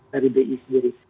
dari bi sendiri